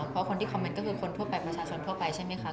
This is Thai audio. เพราะคนที่คอมเมนต์ก็คือคนทั่วไปประชาชนทั่วไปใช่ไหมคะ